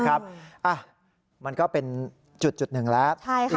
นะครับอ่ะมันก็เป็นจุดหนึ่งแล้วใช่ค่ะ